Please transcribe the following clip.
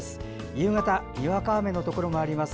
夕方、にわか雨のところがあります。